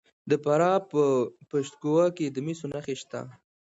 د فراه په پشت کوه کې د مسو نښې شته.